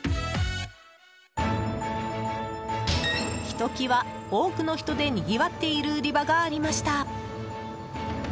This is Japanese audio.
ひときわ多くの人でにぎわっている売り場がありました。